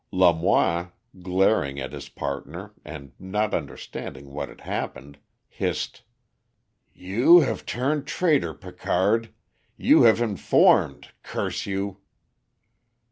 Lamoine, glaring at his partner and not understanding what had happened, hissed "You have turned traitor, Picard; you have informed, curse you!"